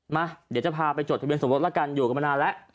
มาเดี๋ยวจะพาไปจดทะเบียนสมรสละกันอยู่กันมานานแล้ว